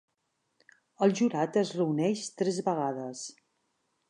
El jurat es reuneix tres vegades.